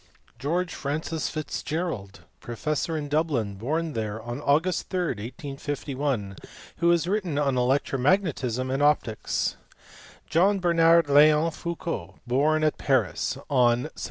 George Francis Fitzgerald, professor in Dublin, born there on Aug. 3, 1851, who has written on elect romagnetism and optics. Jean Bernard Leon Foucault, born at Paris on Sept.